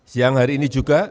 siang hari ini juga